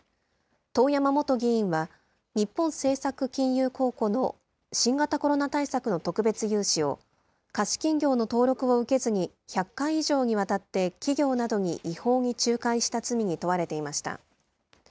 遠山元議員は、日本政策金融公庫の新型コロナ対策の特別融資を、貸金業の登録を受けずに１００回以上にわたって企業などに違法に仲介した罪に問われていました。